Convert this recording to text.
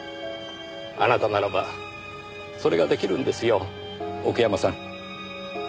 あなたならばそれが出来るんですよ奥山さん。